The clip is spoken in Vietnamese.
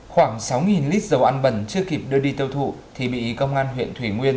khoảng sáu lít dầu ăn bẩn chưa kịp đưa đi tiêu thụ thì bị công an huyện thủy nguyên